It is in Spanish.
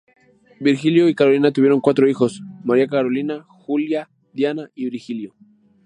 Virgilio y Carolina tuvieron cuatro hijos: María Carolina, Julia, Diana y Virgilio.